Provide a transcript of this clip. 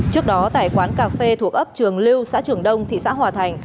trước đó tại quán cà phê thuộc ấp trường lưu xã trường đông thị xã hòa thành